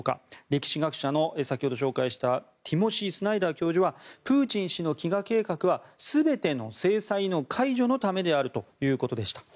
歴史学者の、先ほど紹介したティモシー・スナイダー教授はプーチン氏の飢餓計画は全ての制裁の解除のためであるということでした。